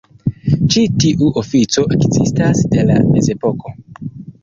Ĉi tiu ofico ekzistas de la mezepoko.